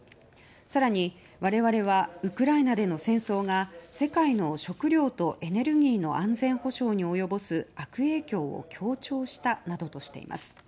更に、我々はウクライナでの戦争が世界の食料とエネルギーの安全保障に及ぼす悪影響を強調したなどとしています。